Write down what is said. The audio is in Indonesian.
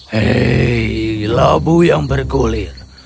hei labu yang bergulir